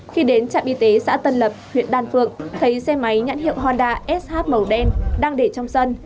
khi đến trạm y tế xã tân lập huyện đan phượng thấy xe máy nhãn hiệu honda sh màu đen đang để trong sân